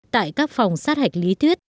tại các phòng sát hạch lý thuyết